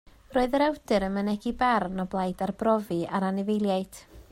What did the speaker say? Roedd yr awdur yn mynegi barn o blaid arbrofi ar anifeiliaid